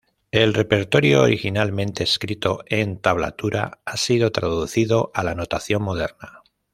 El repertorio originalmente escrito en tablatura ha sido traducido a la notación moderna.